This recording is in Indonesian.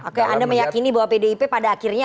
oke anda meyakini bahwa pdip pada akhirnya